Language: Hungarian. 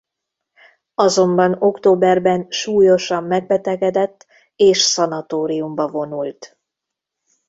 Azonban októberben súlyosan megbetegedett és szanatóriumba vonult.